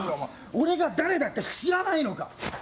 俺が誰だか知らないのか！